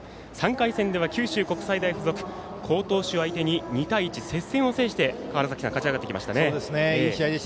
３回戦では、九州国際大付属好投手相手に２対１接戦を制して勝ち上がってきましたね。